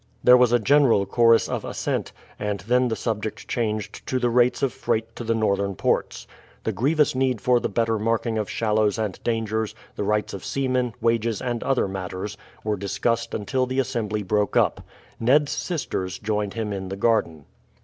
There was a general chorus of assent, and then the subject changed to the rates of freight to the northern ports. The grievous need for the better marking of shallows and dangers, the rights of seamen, wages, and other matters, were discussed until the assembly broke up. Ned's sisters joined him in the garden.